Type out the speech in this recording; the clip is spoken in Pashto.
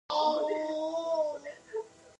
د هیلې رڼا هم د دوی په زړونو کې ځلېده.